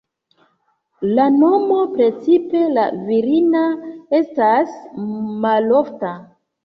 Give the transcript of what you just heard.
La nomo, precipe la virina estas malofta.